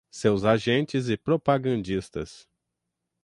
Seus agentes e propagandistas